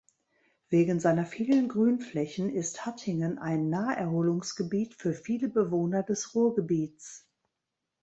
Wegen seiner vielen Grünflächen ist Hattingen ein Naherholungsgebiet für viele Bewohner des Ruhrgebiets.